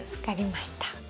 分かりました。